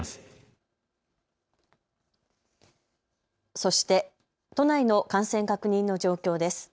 そして都内の感染確認の状況です。